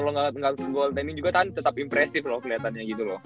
kalau gak gold tending juga tetap impresif loh keliatannya gitu loh